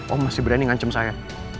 om masih berani ngancem saya